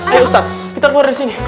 ayo ustadz kita keluar dari sini